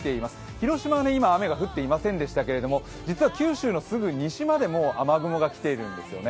広島は今、雨は降っていませんでしたが実は九州のすぐ西まで雨雲が来ているんですよね。